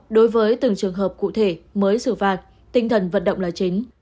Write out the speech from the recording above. đối với từng trường hợp cụ thể mới xử phạt tinh thần vận động là chính